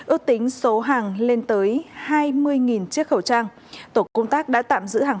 ước tính số hàng lên tới hai mươi chiếc khẩu trang